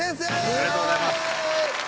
ありがとうございます。